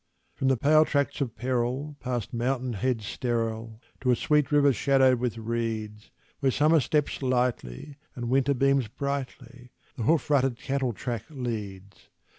From the pale tracts of peril, past mountain heads sterile, To a sweet river shadowed with reeds, Where Summer steps lightly, and Winter beams brightly, The hoof rutted cattle track leads.